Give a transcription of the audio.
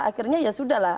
akhirnya ya sudah lah